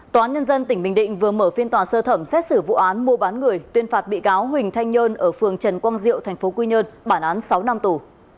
tòa án nhân dân tỉnh bình định vừa mở phiên tòa sơ thẩm xét xử vụ án mua bán người tuyên phạt bị cáo huỳnh thanh nhơn ở phường trần quang diệu tp quy nhơn bản án sáu năm tù